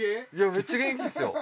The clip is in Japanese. めっちゃ元気っすよ。